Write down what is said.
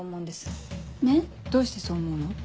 どうしてそう思うの？